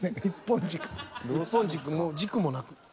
１本軸もう軸もなく。